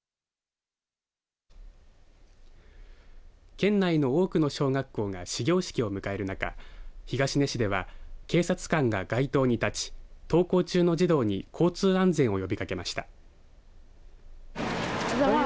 県内の多くの小学校が始業式を迎える中東根市では警察官が街頭に立ち登校中の児童に交通安全を呼びかけました。